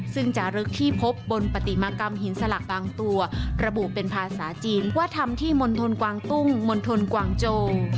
ซึ่งจารึกที่พบบนปฏิมากรรมหินสลักบางตัวระบุเป็นภาษาจีนว่าทำที่มณฑลกวางตุ้งมณฑลกวางโจง